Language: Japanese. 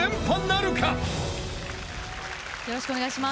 よろしくお願いします。